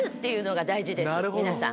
皆さん。